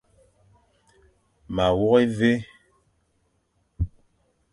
Ma wôkh évé.